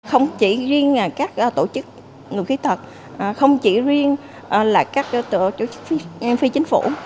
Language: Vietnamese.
không chỉ riêng các tổ chức người khuyết tật không chỉ riêng là các tổ chức m phi chính phủ